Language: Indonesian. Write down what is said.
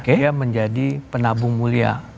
dia menjadi penabung mulia